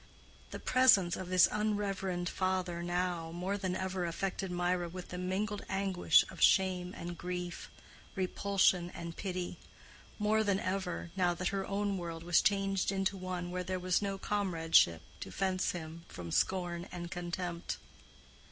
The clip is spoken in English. The presence of this unreverend father now, more than ever, affected Mirah with the mingled anguish of shame and grief, repulsion and pity—more than ever, now that her own world was changed into one where there was no comradeship to fence him from scorn and contempt.